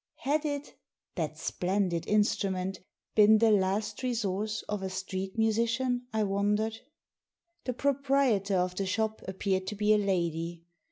*' Had it — ^that "splendid instrument"! — been the last resource of a street musician, I wondered. The proprietor of the shop appeared to be a lady.